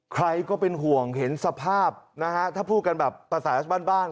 ใครก็เป็นห่วงเห็นสภาพนะฮะถ้าพูดกันแบบภาษาบ้านบ้าน